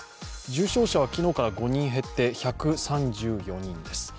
重症者は昨日から５人減って１３４人です。